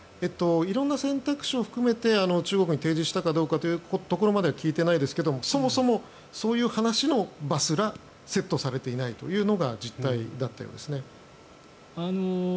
色んな選択肢を含めて中国に提示したかどうかというところまでは聞いていないですけどそもそもそういう話の場すらセットされていないというのが実態だったようです。